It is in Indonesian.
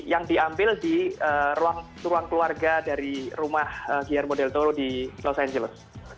yang diambil di ruang keluarga dari rumah guillermo del toro di los angeles